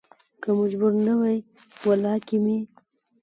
که مجبور نه وى ولا کې مې